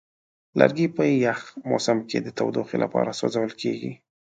لرګی په یخ موسم کې د تودوخې لپاره سوځول کېږي.